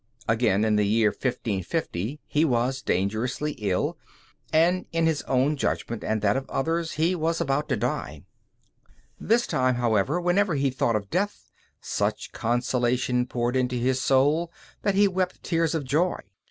Again, in the year 1550, he was dangerously ill, and in his own judgment and that of others he was about to die. This time, however, whenever he thought of death, such consolation poured into his soul that he wept tears of joy.